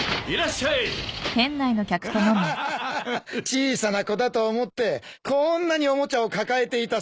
小さな子だと思ってこんなにおもちゃを抱えていたそうですよ。